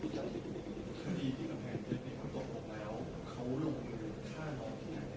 แล้วเขาร่วมอยู่หรือฆ่าน้องที่นั่นแหละที่จะแม่งเย็น